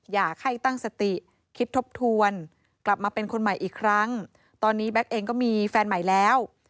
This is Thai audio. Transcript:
อยากให้ตั้งสติคิดทบทวนกลับมาเป็นคนใหม่อีกครั้งตอนนี้แบ็คเองก็มีแฟนใหม่แล้ว